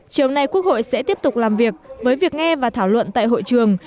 chiều nay quốc hội sẽ tiếp tục làm việc với việc nghe và thảo luận tại hội trường